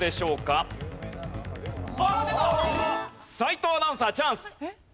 斎藤アナウンサーチャンス！